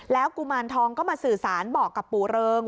กุมารทองก็มาสื่อสารบอกกับปู่เริง